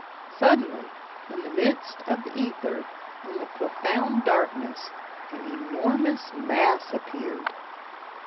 Suddenly, in the midst of the ether, in the profound darkness, an enormous mass appeared.